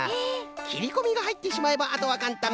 きりこみがはいってしまえばあとはかんたん。